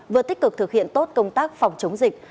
vừa tích cực thực hiện tốt công tác phòng chống dịch